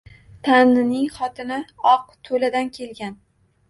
Tanining xotini oq, to`ladan kelgan